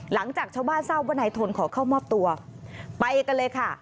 หลังจากชาวบ้านทราบว่านายทนขอเข้ามอบตัวไปกันเลยค่ะ